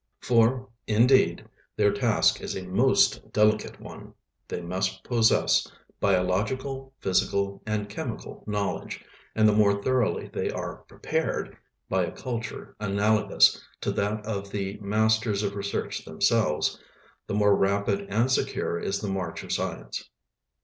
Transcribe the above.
For, indeed, their task is a most delicate one; they must possess biological, physical, and chemical knowledge, and the more thoroughly they are "prepared" by a culture analogous to that of the masters of research themselves, the more rapid and secure is the march of science.